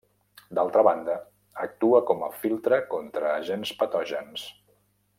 D'altra banda actua com a filtre contra agents patògens.